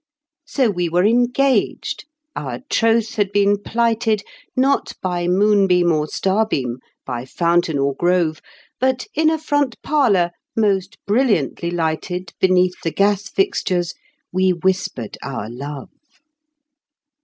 So we were engaged. Our troth had been plighted, Not by moonbeam or starbeam, by fountain or grove, But in a front parlor, most brilliantly lighted, Beneath the gas fixtures, we whispered our love.